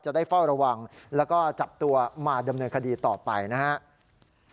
จะได้เฝ้าระวังแล้วก็จับตัวมาดำเนินคดีต่อไปนะครับ